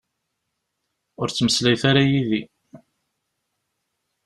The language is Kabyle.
Ur ttmeslayet ara yid-i.